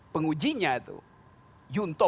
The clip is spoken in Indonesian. pengujinya itu junto